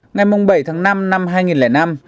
ngày bảy tháng năm năm hai nghìn năm